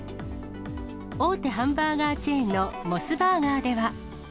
大手ハンバーガーチェーンのモスバーガーでは。